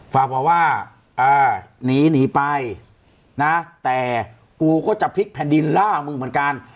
ฝากบอกว่าหนีหนีไปนะแต่กูก็จะพลิกแผ่นดินล่ามึงเหมือนกัน